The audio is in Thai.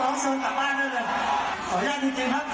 โดนร้องเซาค์หลักบ้านได้เลย